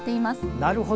なるほど。